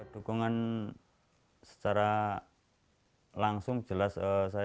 dukungan secara langsung jelas saya dari awal sampai sekarang